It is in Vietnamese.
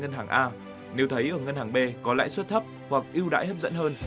khi thấy người mua xe tại ngân hàng a nếu thấy ở ngân hàng b có lãi suất thấp hoặc ưu đãi hấp dẫn hơn